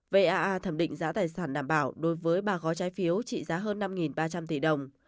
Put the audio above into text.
vaa thẩm định giá tài sản đảm bảo đối với ba gói trái phiếu trị giá hơn năm ba trăm linh tỷ đồng